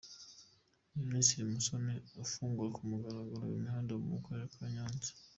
Minisitiri Musoni afungura ku mugaragaro imihanda yo mu karere ka Nyanza.